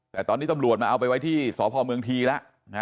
แต่ตอนนี้ตำรวจมาเอาไปไว้ที่สพเมืองทีแล้ว